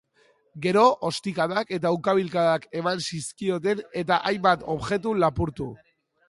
Gero, ostikadak eta ukabilkadak eman zizkioten eta hainbat objektu lapurtu.